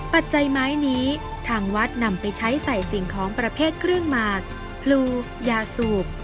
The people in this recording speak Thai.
ปัจจัยไม้นี้ทางวัดนำไปใช้ใส่สิ่งของประเภทเครื่องหมากพลูยาสูบ